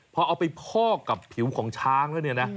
พอเอาไปพอกกับผิวของช้างแล้วเนี่ยนะ